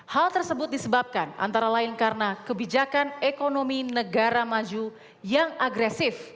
hal tersebut disebabkan antara lain karena kebijakan ekonomi negara maju yang agresif